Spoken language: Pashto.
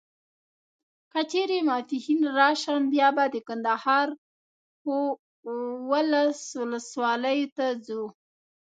که چیري ماپښین راسم بیا به د کندهار و اولس ولسوالیو ته ځو.